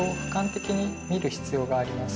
必要があります。